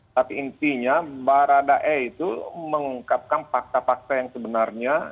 tapi intinya baradae itu mengungkapkan fakta fakta yang sebenarnya